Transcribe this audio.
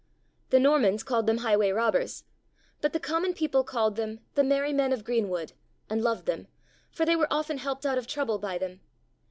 The Normans called them "highway robbers," but the common people called them "the merry men of greenwood" and loved them, for they were often helped out of trouble by them.